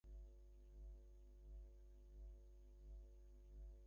এবার কাঁকড়ার পা, পেঁয়াজ, টমেটো, গ্রিন অলিভ দিয়ে দুই মিনিট ভাজুন।